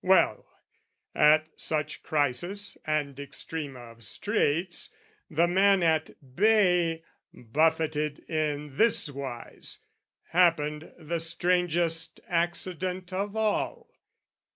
Well, at such crisis and extreme of straits, The man at bay, buffeted in this wise, Happened the strangest accident of all.